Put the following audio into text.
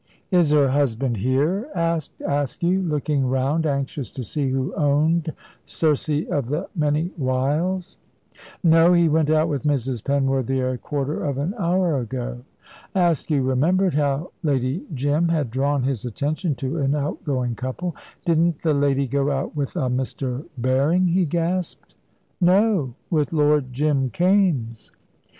"Is her husband here?" asked Askew, looking round, anxious to see who owned Circe of the many wiles. "No; he went out with Mrs. Penworthy a quarter of an hour ago." Askew remembered how Lady Jim had drawn his attention to an outgoing couple. "Didn't the lady go out with a Mr. Berring?" he gasped. "No; with Lord Jim Kaimes!"